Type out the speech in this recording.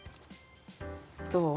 どう？